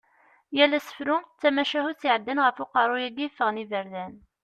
Yal asefru d tamacahutt iɛeddan ɣef uqerru-yagi yeffɣen iberdan.